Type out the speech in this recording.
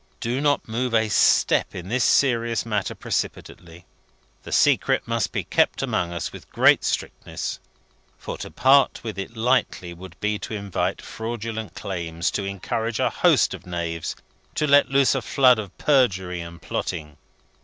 Do not move a step in this serious matter precipitately. The secret must be kept among us with great strictness, for to part with it lightly would be to invite fraudulent claims, to encourage a host of knaves, to let loose a flood of perjury and plotting.